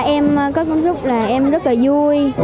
em có cảm xúc là em rất là vui